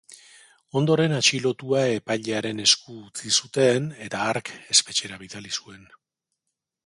Ondoren atxilotua epailearen esku utzi zuten, eta hark espetxera bidali zuen.